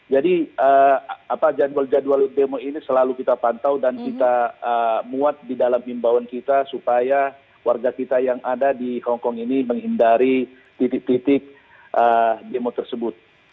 jadwal jadwal demo ini selalu kita pantau dan kita muat di dalam imbauan kita supaya warga kita yang ada di hongkong ini menghindari titik titik demo tersebut